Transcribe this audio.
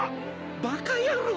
バカ野郎。